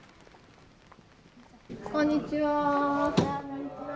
こんにちは。